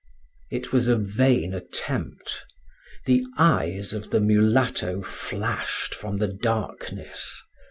It was a vain attempt. The eyes of the mulatto flashed from the darkness.